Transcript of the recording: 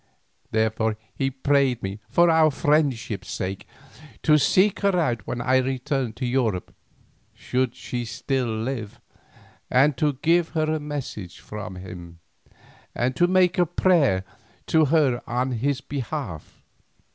Therefore he prayed me for our friendship's sake to seek her out when I returned to Europe, should she still live, and to give her a message from him, and to make a prayer to her on his behalf."